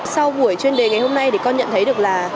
sau buổi chuyên đề ngày hôm nay thì con nhận thấy được là